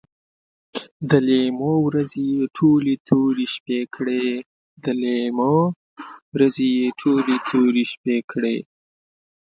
د لیمو ورځې یې ټولې تورې شپې کړې